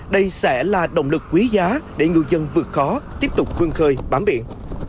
đây sẽ là động lực quý giá để ngư dân vượt khó tiếp tục vương khơi bám biển